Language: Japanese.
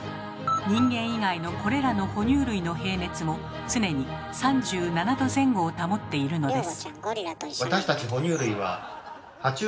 人間以外のこれらの哺乳類の平熱も常に３７℃前後を保っているのです。